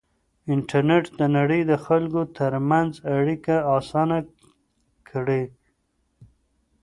انټرنېټ د نړۍ د خلکو ترمنځ اړیکه اسانه کړې.